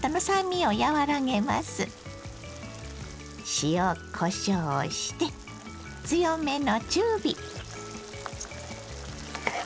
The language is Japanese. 塩こしょうをして強めの中火。